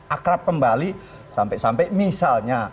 akrab kembali sampai sampai misalnya